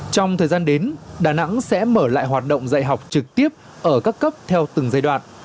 trong thời gian đến đà nẵng sẽ mở lại hoạt động dạy học trực tiếp ở các cấp theo từng giai đoạn